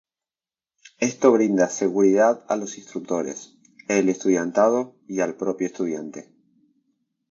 Esto brinda seguridad a los instructores, el estudiantado y al propio estudiante.